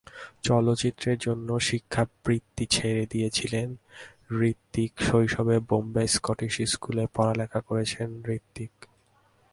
চলচ্চিত্রের জন্য শিক্ষাবৃত্তি ছেড়ে দিয়েছিলেন হৃতিকশৈশবে বোম্বে স্কটিশ স্কুলে পড়ালেখা করেছেন হৃতিক।